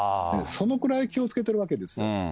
そのくらい気をつけているわけですよ。